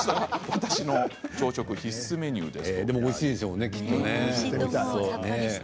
私の朝食必須メニューです。